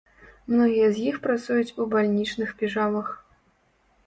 Многія з іх працуюць у бальнічных піжамах.